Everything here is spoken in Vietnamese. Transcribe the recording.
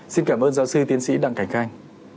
xin cảm ơn giáo sư tiến sĩ đặng cảnh khanh